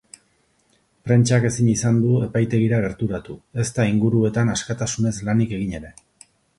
Prentsak ezin izan du epaitegira gerturatu, ezta inguruetan askatasunez lanik egin ere.